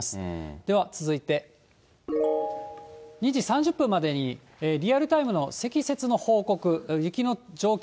では続いて、２時３０分までにリアルタイムの積雪の報告、雪の状況